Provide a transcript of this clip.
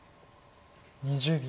２０秒。